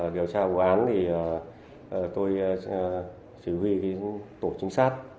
điều tra vụ án thì tôi chỉ huy tổ trinh sát